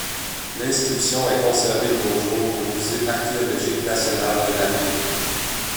L'inscription est conservée de nos jours au Musée archéologique national de Madrid.